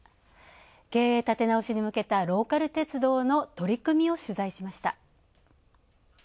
経営立て直しに向けたローカル鉄道の取り組みを取材しました。